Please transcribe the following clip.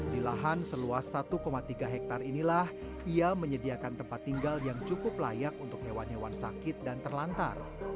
di lahan seluas satu tiga hektare inilah ia menyediakan tempat tinggal yang cukup layak untuk hewan hewan sakit dan terlantar